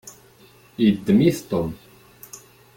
Yeddem-it Tom.